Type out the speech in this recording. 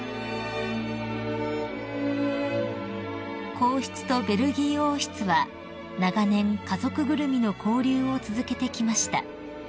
［皇室とベルギー王室は長年家族ぐるみの交流を続けてきました］